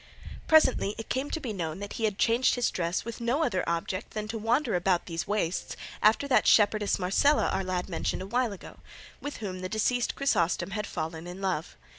Presently it came to be known that he had changed his dress with no other object than to wander about these wastes after that shepherdess Marcela our lad mentioned a while ago, with whom the deceased Chrysostom had fallen in love.